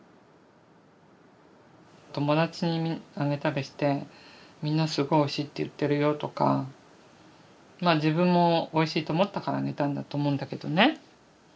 友達にあげたりしてみんな「すごいおいしい」って言ってるよとかまあ自分もおいしいと思ったからあげたんだと思うんだけどね。